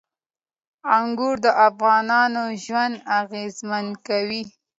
انګور د افغانانو ژوند اغېزمن کوي.